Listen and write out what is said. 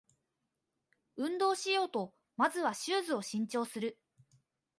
運動しようとまずはシューズを新調する